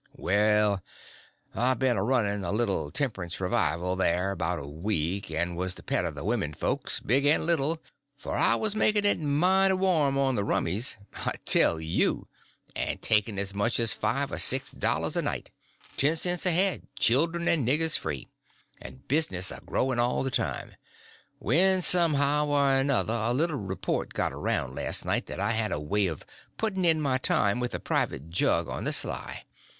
"Well, I'd ben a running' a little temperance revival thar 'bout a week, and was the pet of the women folks, big and little, for I was makin' it mighty warm for the rummies, I tell you, and takin' as much as five or six dollars a night—ten cents a head, children and niggers free—and business a growin' all the time, when somehow or another a little report got around last night that I had a way of puttin' in my time with a private jug on the sly.